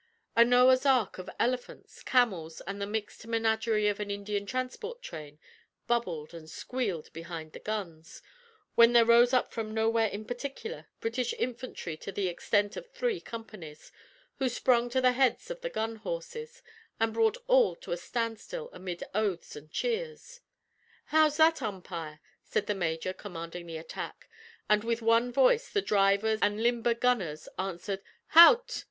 A Noah's ark of elephants, camels, and the mixed menagerie of an Indian transport train bubbled and squealed behind the guns, when there rose up from nowhere in particular British infantry to the extent of three companies, who sprung to the heads of the gun horses, and brought all to a standstill amid oaths and cheers. "How's that, umpire?" said the major commanding the attack, and with one voice the drivers and limber gunners answered, "Hout!"